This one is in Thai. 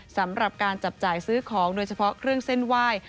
สำหรับการจับจ่ายซื้อของโดยเฉพาะเครื่องเส้นไหว้